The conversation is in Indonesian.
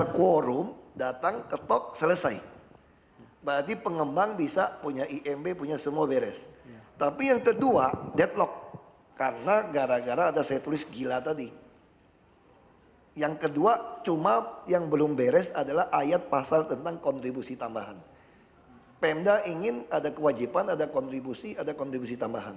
cnn indonesia breaking news